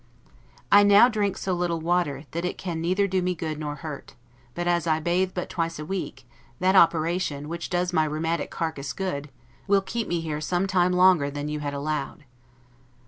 I now drink so little water, that it can neither do me good nor hurt; but as I bathe but twice a week, that operation, which does my rheumatic carcass good, will keep me here some time longer than you had allowed.